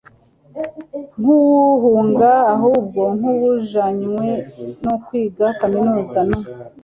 nkuwuhunga ahubwo nkuwujanywe nukwiga kaminuza…Nu